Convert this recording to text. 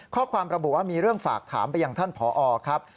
ข้อความระบุว่ามีเรื่องฝากถามไปยังท่านผอครับ